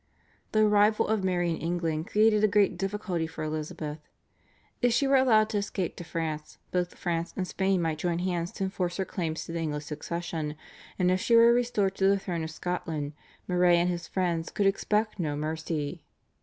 The arrival of Mary in England created a great difficulty for Elizabeth. If she were allowed to escape to France, both France and Spain might join hands to enforce her claims to the English succession, and if she were restored to the throne of Scotland, Moray and his friends could expect no mercy.